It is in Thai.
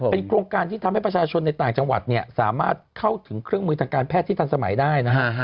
เป็นโครงการที่ทำให้ประชาชนในต่างจังหวัดสามารถเข้าถึงเครื่องมือทางการแพทย์ที่ทันสมัยได้นะฮะ